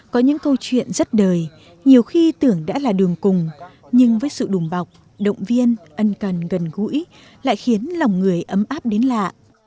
chuyện rất đời nhiều khi tưởng đã là đường cùng nhưng với sự đùm bọc động viên ân cần gần gũi lại khiến lòng người ấm áp đến lạ